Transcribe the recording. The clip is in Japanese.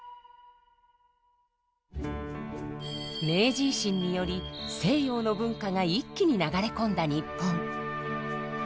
明治維新により西洋の文化が一気に流れ込んだ日本。